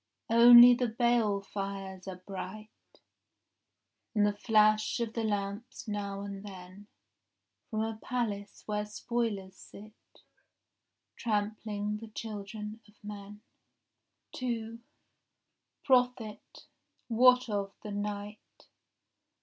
Only the balefires are bright, And the flash of the lamps now and then From a palace where spoilers sit, Trampling the children of men. 2 Prophet, what of the night?